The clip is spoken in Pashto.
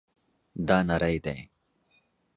دا نری دی